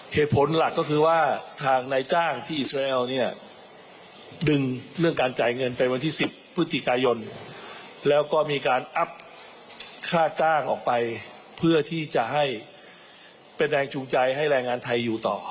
เหตุผลหลักก็คือว่าทางนายจ้างที่อิสราเอลเนี่ยดึงเรื่องการจ่ายเงินไปวันที่๑๐พฤศจิกายนแล้วก็มีการอัพค่าจ้างออกไปเพื่อที่จะให้เป็นแรงจูงใจให้แรงงานไทยอยู่ต่อ